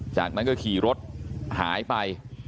จากนั้นก็ขี่รถหายไป